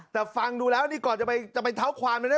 แต่ฟังดูแล้วนี่ก่อนจะไปเท้าความเลยนะ